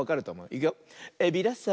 いくよ。